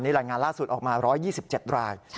รายงานล่าสุดออกมา๑๒๗ราย